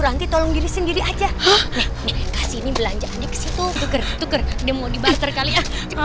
ranti tolong diri sendiri aja belanjaan ke situ tuker tuker demo di barter kali ya